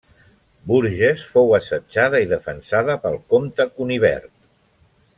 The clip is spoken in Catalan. Bourges fou assetjada i defensada pel comte Cunibert.